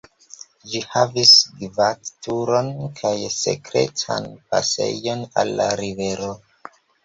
Ĝi havis gvat-turon kaj sekretan pasejon al la rivero.